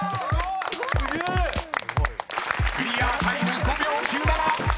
［クリアタイム５秒９７。